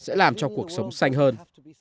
thế hệ trẻ sẽ làm cho cuộc sống xanh hơn